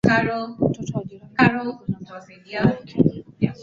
Mtoto wa jirani anapigwa na mama yake